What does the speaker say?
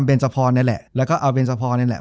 จบการโรงแรมจบการโรงแรม